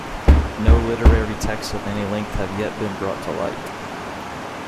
No literary texts of any length have yet been brought to light.